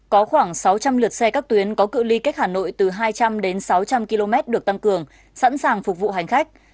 có khoảng sáu trăm linh lượt xe các tuyến có cự li cách hà nội từ hai trăm linh đến sáu trăm linh km được tăng cường sẵn sàng phục vụ hành khách